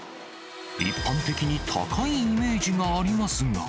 一般的に高いイメージがありますが。